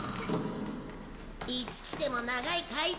いつ来ても長い階段。